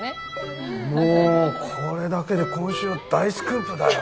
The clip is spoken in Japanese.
もうこれだけで今週は大スクープだよ。